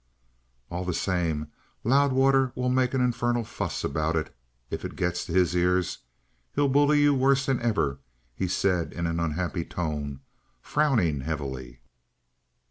"All the same, Loudwater will make an infernal fuss about it, if it gets to his ears. He'll bully you worse than ever," he said in an unhappy tone, frowning heavily.